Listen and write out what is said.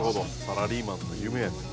サラリーマンの夢やねんな。